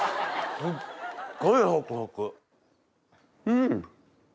うん！